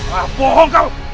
wah bohong kau